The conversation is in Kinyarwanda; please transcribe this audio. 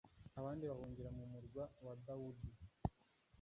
abandi bahungira mu murwa wa dawudi